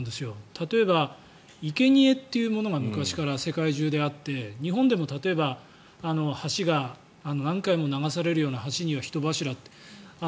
例えば、いけにえというものが昔から世界中であって日本でも例えば何回も流されるような橋には人柱。